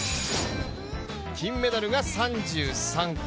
金メダルが３３個。